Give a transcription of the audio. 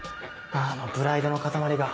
あのプライドの塊が。